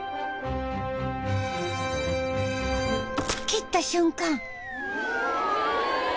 切った瞬間。